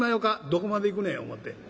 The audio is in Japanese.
「どこまでいくねん」思うて。